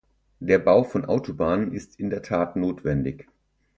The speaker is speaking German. Der Bau von Autobahnen ist in der Tat notwendig.